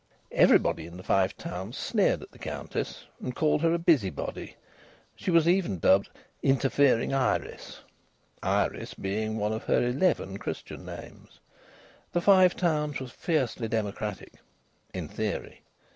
Everybody in the Five Towns sneered at the Countess and called her a busybody; she was even dubbed "Interfering Iris" (Iris being one of her eleven Christian names); the Five Towns was fiercely democratic in theory.